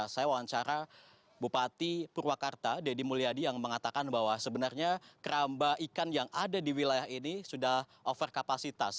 saya wawancara bupati purwakarta deddy mulyadi yang mengatakan bahwa sebenarnya keramba ikan yang ada di wilayah ini sudah over kapasitas